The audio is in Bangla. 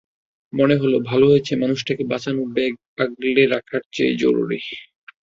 মনে হলো, ভালো হয়েছে, মানুষটাকে বাঁচানো ব্যাগ আগলে রাখার চেয়ে জরুরি।